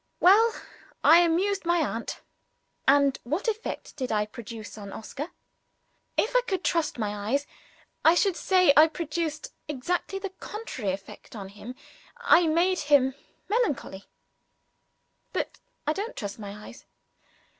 Well, I amused my aunt. And what effect did I produce on Oscar? If I could trust my eyes, I should say I produced exactly the contrary effect on him I made him melancholy. But I don't trust my eyes.